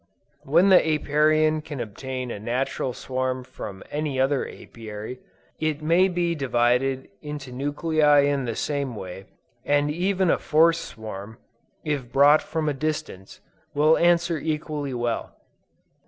When the Apiarian can obtain a natural swarm from any other Apiary, it may be divided into nuclei in the same way, and even a forced swarm, if brought from a distance, will answer equally well.